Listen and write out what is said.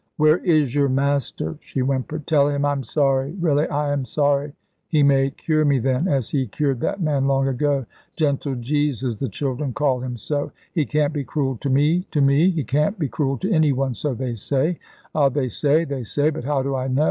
"Where is your Master?" she whimpered. "Tell Him I'm sorry really I am sorry. He may cure me then, as He cured that man long ago. Gentle Jesus the children call Him so; He can't be cruel to me to me. He can't be cruel to any one, so they say ah, they say, they say; but how do I know?